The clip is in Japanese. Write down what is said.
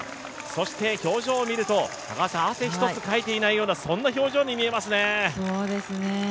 そして、表情を見ると汗一つかいていないようなそんな表情に見えますね。